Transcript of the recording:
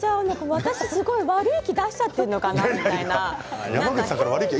私が悪い気出しちゃっているのかなみたいな。